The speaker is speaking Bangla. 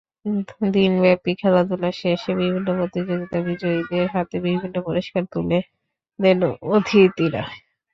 দিনব্যাপী খেলাধুলা শেষে বিভিন্ন প্রতিযোগিতার বিজয়ীদের হাতে বিভিন্ন পুরস্কার তুলে দেন অতিথিরা।